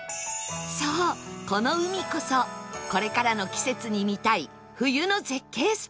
そうこの海こそこれからの季節に見たい冬の絶景スポット